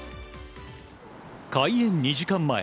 開演２時間前。